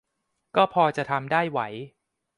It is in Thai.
ก็พอจะทำได้ไหว